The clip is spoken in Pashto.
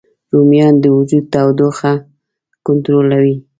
رومیان د وجود تودوخه کنټرولوي